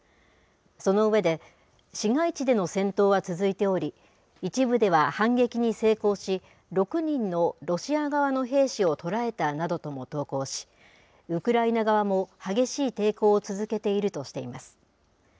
その上で、市街地での戦闘は続いており、一部では反撃に成功し、６人のロシア側の兵士を捕らえたなどとも投稿し、ウクライナ側も激しい抵抗を続けているとしています。